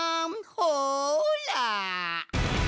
ほら！